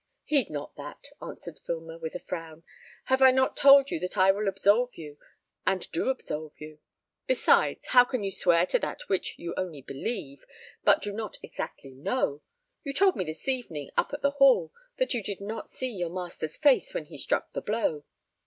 "Heed not that," answered Filmer, with a frown. "Have I not told you that I will absolve you, and do absolve you? Besides, how can you swear to that which you only believe, but do not exactly know. You told me this evening, up at the hall, that you did not see your master's face when he struck the blow."